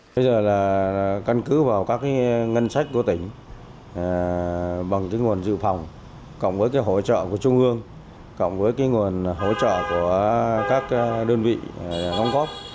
bây giờ là căn cứ vào các ngân sách của tỉnh bằng cái nguồn dự phòng cộng với cái hỗ trợ của trung ương cộng với cái nguồn hỗ trợ của các đơn vị đóng góp